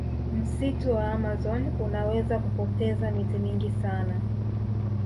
msitu wa amazon unaweza kupoteza miti mingi sana